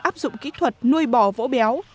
áp dụng kỹ thuật nuôi bò vỗ béo